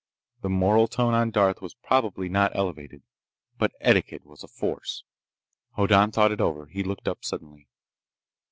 The moral tone on Darth was probably not elevated, but etiquette was a force. Hoddan thought it over. He looked up suddenly.